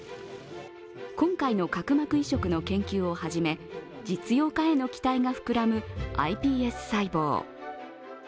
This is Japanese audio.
今回の角膜移植の研究をはじめ、実用化への期待が膨らむｉＰＳ細胞。